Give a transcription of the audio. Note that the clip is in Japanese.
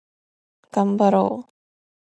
がんばろう